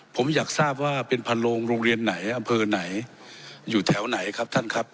ผมอยากทราบว่าเป็นพันโลงโรงเรียนไหนอำเภอไหนอยู่แถวไหนครับท่านครับ